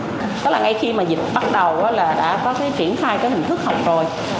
ngay khi dịch bắt đầu đã có chuyển khai hình thức học rồi